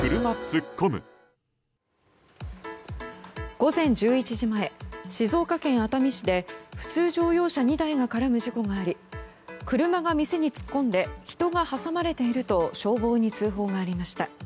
午前１１時前静岡県熱海市で普通乗用車２台が絡む事故があり車が店に突っ込んで人が挟まれていると消防に通報がありました。